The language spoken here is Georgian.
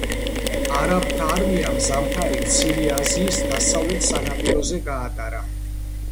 არაბთა არმიამ ზამთარი მცირე აზიის დასავლეთ სანაპიროზე გაატარა.